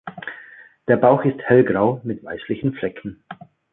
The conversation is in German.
Der Bauch ist hellgrau mit weißlichen Flecken.